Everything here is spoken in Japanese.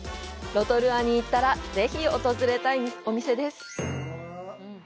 ロトルアに行ったらぜひ訪れたいお店です！